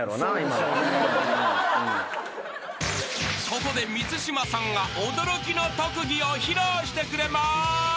［ここで満島さんが驚きの特技を披露してくれます］